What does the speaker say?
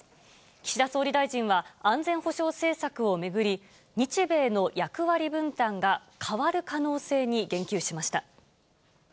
岸田総理大臣は、安全保障政策を巡り、日米の役割分担が変わる可能性に言及しました。